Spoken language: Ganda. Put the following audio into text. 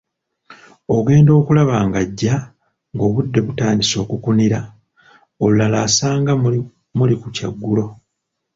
"Ogenda okulaba ng'ajja ng'obudde butandise okukunira, olulala asanga muli ku kyaggulo."